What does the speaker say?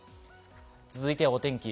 続いてはお天気。